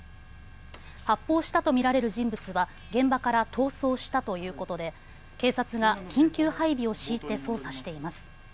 発砲したと見られる人物は現場から逃走したということで警察が緊急配備を敷いて捜査しています。